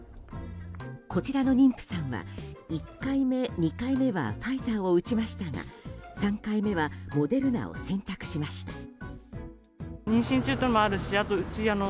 こちらの妊婦さんは１回目、２回目はファイザーを打ちましたが３回目はモデルナを選択しました。